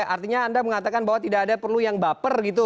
artinya anda mengatakan bahwa tidak ada perlu yang baper gitu